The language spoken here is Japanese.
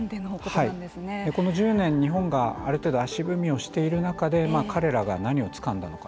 はい、この１０年日本がある程度、足踏みをしている中で彼らが何をつかんだのか。